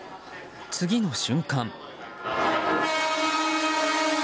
次の瞬間。